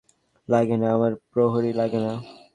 আমার কোনো গার্ড লাগে না, পুলিশ লাগে না, আমার প্রহরী লাগে না।